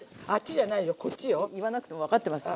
言わなくても分かってます。